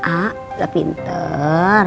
a udah pinter